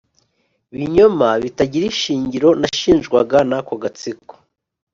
binyoma bitagira ishingiro nashinjwaga n'ako gatsiko